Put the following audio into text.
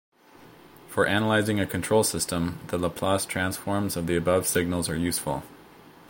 For analyzing a control system, the Laplace transforms of the above signals are useful.